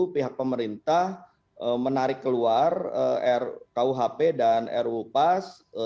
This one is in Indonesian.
pihak pemerintah menarik keluar rkuhp dan ruu pas